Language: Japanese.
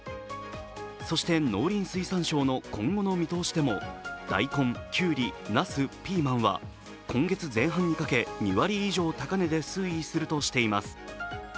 そして、農林水産省の今後の見通しでも大根、きゅうり、なす、ピーマンは今月前半にかけ２割以上高値で推移するとしています。